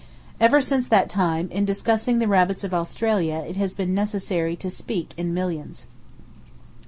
Ever since that time, in discussing the rabbits of Australia it has been necessary to speak in millions.